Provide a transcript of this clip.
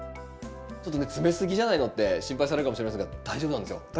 ちょっとね詰めすぎじゃないのって心配されるかもしれませんが大丈夫なんですよ。